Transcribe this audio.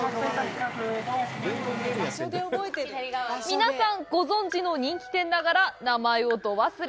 皆さんご存じの人気店ながら、名前をど忘れ。